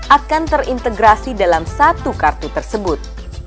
akan terintegrasi dalam satu kartu tersebut